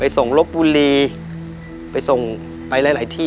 ไปส่งรถบวรีฮะไปส่งไปหลายที่